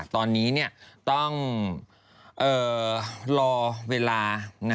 ตอนนี้ต้องรอเวลา